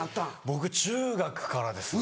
僕中学からですね。